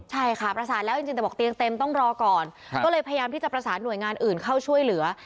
ใช่ค่ะประสานแล้วจริงแต่บอกเตียงเต็มต้องรอก่อนก็เลยพยายามที่จะประสานหน่วยงานอื่นเข้าช่วยเหลือ